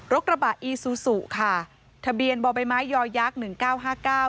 กระบะอีซูซูค่ะทะเบียนบ่อใบไม้ยอยักษ์หนึ่งเก้าห้าเก้า